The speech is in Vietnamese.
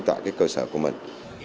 tại các địa phương